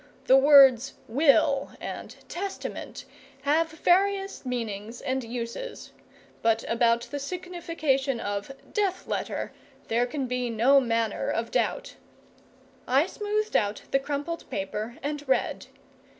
The words "will" and "testament" have various meanings and uses; but about the signification of "death letter" there can be no manner of doubt. I smoothed out the crumpled paper and read.